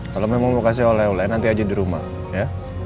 kalau memang mau kasih oleh oleh nanti aja di rumah ya